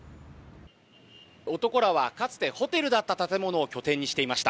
男らはかつてホテルだった建物を拠点にしていました。